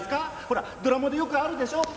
ほらドラマでよくあるでしょう？